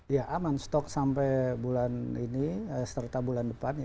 ya aman stok sampai bulan ini serta bulan depan